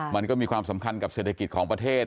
มันก็มีความสำคัญกับเศรษฐกิจของประเทศ